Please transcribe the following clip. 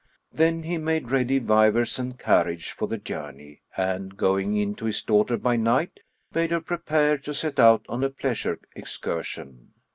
Then he made ready vivers and carriage for the journey and, going in to his daughter by night, bade her prepare to set out on a pleasure excursion.